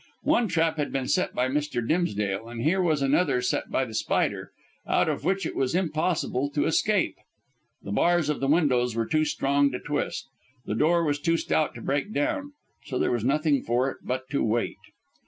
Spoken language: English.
One trap had been set by Mr. Dimsdale, and here was another set by The Spider, out of which it was impossible to escape. The bars of the windows were too strong to twist, the door was too stout to break down, so there was nothing for it but to wait.